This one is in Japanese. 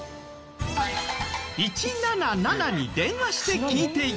１７７に電話して聞いていた。